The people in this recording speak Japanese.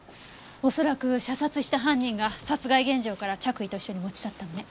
恐らく射殺した犯人が殺害現場から着衣と一緒に持ち去ったのね。